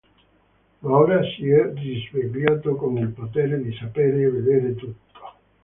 Ma ora si è risvegliato con il potere di sapere e vedere tutto.